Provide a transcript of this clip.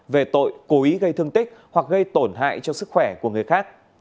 về tội cố ý gây thương tích hoặc gây tổn hại cho sức khỏe của người khác